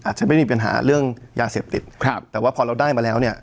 อาจจะไม่มีปัญหาเรื่องยาเสพติดครับแต่ว่าพอเราได้มาแล้วเนี่ย